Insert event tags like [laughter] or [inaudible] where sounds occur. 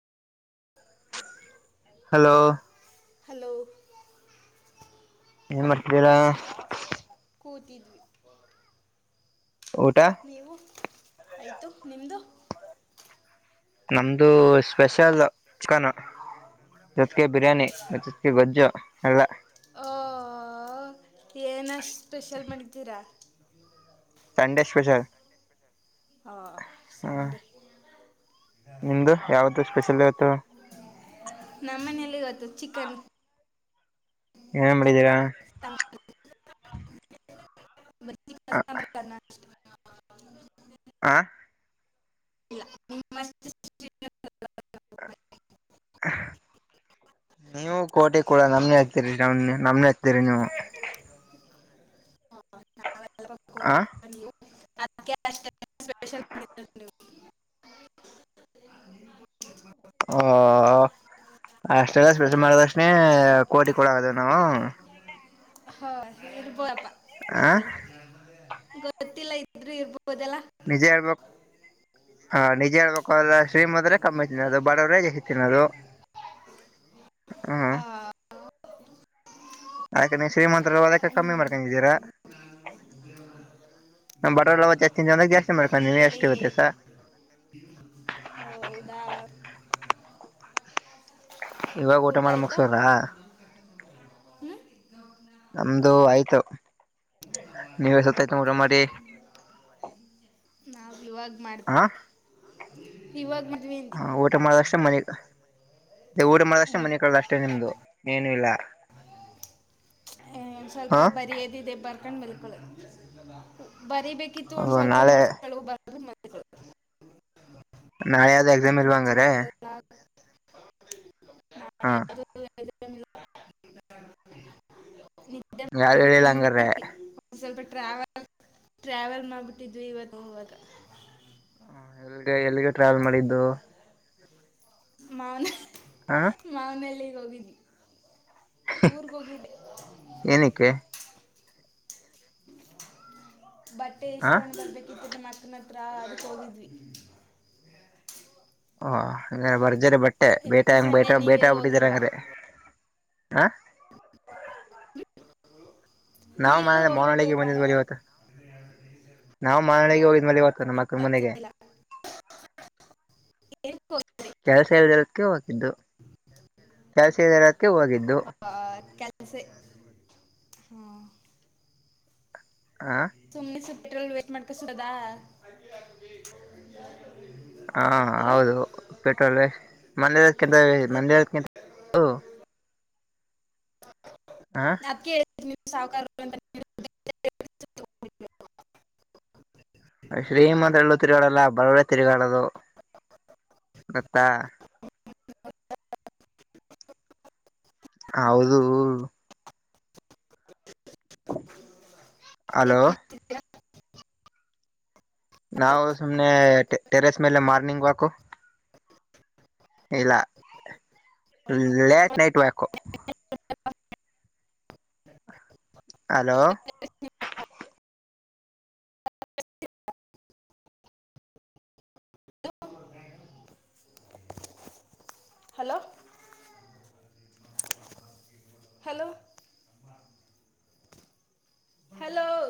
Hello hello ಏನ್ ಮಾಡಿದೀರ ಕೂತಿದ್ವಿ ಊಟ ನೀವು ಆಯತು ನಿಮ್ದು ನಮ್ದು ಸ್ಪೆಷಲ್ ಚಿಕನ್ ಜೊತ್ಗೆ ಬಿರಿಯಾನಿ ಮ ಜೊತ್ಗೆ ಗೊಜ್ಜು ಎಲ್ಲ ಏನಷ್ಟ ಸ್ಪೆಷಲ್ ಮಾಡಿದ್ದೀರಾ ಸಂಡೇ ಸ್ಪೆಷಲ್ ಹ ಹ ಸಂಡ [inaudible] ನಿಮ್ದು ಯಾವ್ದು ಸ್ಪೆಷಲ್ ಆಯತು ನಮ್ಮನೇಲಿ ಚಿಕನ್ ಏನ್ ಮಾಡಿದೀರಾ ಸಾಂಬಾರು ಬ ಆ ಇಲ್ಲ ಯಾಕೆ ನೀವು ಕೋಟೆ ಕೂಡ ನಮ್ನೆ ಹಕ್ತೀರಿ ನಮ್ ನಮ್ನೆ ಹಕ್ತೀರಿ ನೀವು ಆ ಕೋಟಿ ನೀ ಅದಕ್ಕೆ ಸ್ಪಲ್ ಅಷ್ಟೆಲ್ಲ ಸ್ಪೆಷ ಮಾಡದಕ್ಷಣಿ ಕೋಟಿ ಕೊಡಗದ ನಾವು. ಹ ಹೇಳಬಪ್ಪ ಆ ಗೊತ್ತಿಲ್ಲ. ಗೊತ್ತಿಲ್ಲ ಇದ್ರು ಇರ್ಬೋದೆಲ್ಲ ನಿಜೇ ಹೇಳ್ಬ ಹಾ ನಿಜೇ ಹೇಳ್ಬೇಕು ಅ್ರ ಶ್ರೀಮದ ಕಮ್ಮಿ. ಇ ಅದು ಬಡವರಗ ಅದು ಹ್ಮ್. ಆ ಅಕ ನೀ ಶ್ರೀಮಂತ ಅದಕ್ಕೆ ಕಮ್ಮಿ ಮಾಡ್ಕಿದ್ದೀರಾ. ನ ಬಟ ಲವ ಜಾಸ್ತಿದ ಒಂದಾಗ ಜಾಸ್ತಿ. ಮಾಡ್ಕೊಂಡ ನೀವೇ ನಂತರಿ ಅಷ್ಟು ಇವತ್ತೆ ಏನಿಲ್ಲ ಸ ಹ ಹೌದಾ. ಇವಾಗ ಊಟ ಮಾಡಿ ಮುಗಸ್ರ. ಹ್ಞೂ ನಮ್ದು ಆಯ್ತು ನೀವ ಸತಾಯತ ಮಾಡರಿ ಇವಾಗ್ ಮಾಡ್ತವಿ ಇವಾಗ್. ಹಾ ಊಟ ಮಾಡದಷ್ಟೇ ಮನೆಗ್. ದೇ ಊಟ ಮಾಡದಷ್ಟೇ ಮನೆ ಕಡದ ಅಷ್ಟೇ ನಿಮ್ದು ಏನು ಇಲ್ಲ. ಸ್ವಲ್ಪ ಹ ಬರಿಯದ ಇಿದೆ ಬರ್ಕೊಂಡು ಮಲ್ಕಳ. ಬರೀಬೇಕಿತ್ತು ಒಂದ್ ಸ್ವಲ್ಪ ನಾಳೆ ನೋಟ್ಸ್ ಕೆಳಗ ಬರ ಮ. ನಾಳೆ ಯಾವ್ದ ಎಕ್ಸಾಮ್ ಇಲ್ವಾ ಅಂಗೇರಿ. ನ [unintelligible] ಯಾರು ಹೇಳಿಲ್ಲ ಹಂಗಾರ್ರೆ ಟ್ರಾವಲ್ ಟ್ರಾವೆಲ್ ಮಾಡಿಬಿಟ್ಟಿದ್ವಿ ಇವತ್ತು ಮೂವಾಗ. ಎಲ್ಲಿಗೆ ಟ್ರಾವೆಲ್ ಮಾಡಿದ್ದು. ಮಾವನ ಹ ಹ್ಮ್ ಮಾವನಲ್ಲಗ್ ಹೋಗಿದ್ವಿ. ಊರ್ ಕೊಗಿಲ್ಲೆ. ಏನಕ್ಕೆ ಬಟ್ಟೆ ಹ ಇಸ್ಕೊಂಡು ಬರ್ಬೇಕಿತ್ತು ನಮ್ಮ ಅಕ್ಕನ ಹತ್ರ ಅದಕ್ಕೆ ಹೋಗಿದ್ವಿ. ಓ ಹಂಗ ಬರ್ಜರಿ ಬಟ್ಟೆ ಬೇಟೆ ಇವತ್ತು ಹೆಂಗ ಸಂಡೆ ಬೇಟ ಬೇಟ ನೀವೆಲ್ಲೂ ಹೋಗಿಲ್ವಾ ಆಗ್ಬಿಟ್ಟಿದಾರಂಗ್ರೀ. ಹಾ ನಾವು ನೀವೆಲ್ಲೂ ಹೋಗಿಲ್ವಾ ಮಾನಳಿಗೆ ಇವತ್ತು ಭಾನುವಾರ ಬಂದಿದ್ವರಿ ಇವತ್ತು ನಾವು ಮನನಾಳಿಗೆ ಹೋಗಿದವಿ. ನಿಮ್ ಅಕ್ಕನ ಕೆಲ್ಸ ಮನೆಗೆ ಇಲ್ಲ ಏನಕ್ಕೆ ಹೋಗಿಲ್ಲ ಕೆಲಸ ಇದರದಕ್ಕೆ ಹಾಕಿದ್ದು. ಜಾಸದರಕ್ಕೆ ಹೋಗಿದ್ದು. ಆಸೆ ಹ್ಮ್. ಹ ಸುಮ್ನೆ ಸುತ್ತಿರಲ್ ವೇಟ್ ಮಾಡ್ಕ ಸಡದ. ಹಾ ಹೌದು ಪೆಟ್ರೋಲ್ ಮಂದ ಕೆಂತ [unintelligible] ಹ ಹ ಅದ್ಕೆ ಹೇಳಿದು ಸಾವುಕಾರ. [inaudible] ಶ್ರೀಮಂತರ ಎಲ್ಲೂ ತಿರುಗಾಡಲ ಬಡವರೇ ತಿರುಗಾಡದು. ಗೊತ್ತಾ. [inaudible] ಹೌದು. ಹಲೋ. ನಾವು ಸುಮ್ನೆ ತೇರಶ್ ಮೇಲೆ ಮೋರ್ನಿಂಗ್ ವಾಕ ಇಲ್ಲ ಲೇಟ್ ನೈಟ್ ವಕ್. ಹಲೋ [inaudible] ಹ. [unintelligible] ಹಲ [unintelligible] ಹಲೋ. ಹಲೋ. ಹಲೋ.